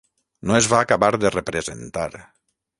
No es va acabar de representar.